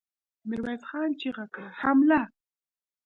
ميرويس خان چيغه کړه! حمله!